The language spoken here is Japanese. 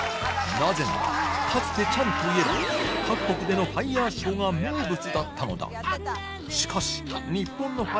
なぜならかつてチャンといえば各国でのファイアショーが名物だったのだしかしカァ！